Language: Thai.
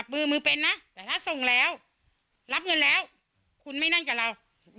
มือมือเป็นนะแต่ถ้าส่งแล้วรับเงินแล้วคุณไม่นั่งกับเรา